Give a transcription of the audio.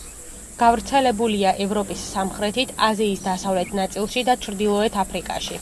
გავრცელებულია ევროპის სამხრეთით, აზიის დასავლეთ ნაწილში და ჩრდილოეთ აფრიკაში.